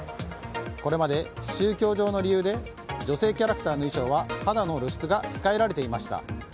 これまで宗教上の理由で女性キャラクターの衣装は肌の露出が控えられていました。